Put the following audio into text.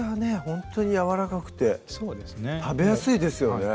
ほんとにやわらかくて食べやすいですよね